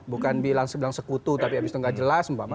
bukan bilang sekutu tapi abis itu tidak jelas